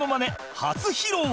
初披露